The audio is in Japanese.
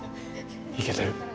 いけてる。